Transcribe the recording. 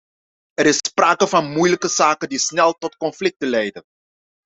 Er is sprake van moeilijke zaken die snel tot conflicten leiden.